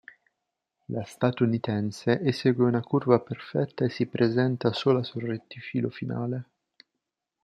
La statunitense esegue una curva perfetta e si presenta sola sul rettifilo finale.